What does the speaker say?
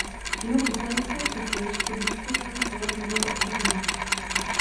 Jeho poslanecké křeslo již pro blízkost nových voleb nebylo obsazeno.